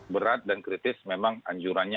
berat dan kritis memang anjurannya